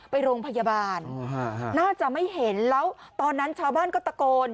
ไปโรงพยาบาลน่าจะไม่เห็นแล้วตอนนั้นชาวบ้านก็ตะโกน